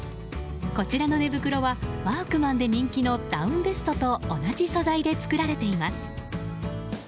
こちらの寝袋はワークマンで人気のダウンベストと同じ素材で作られています。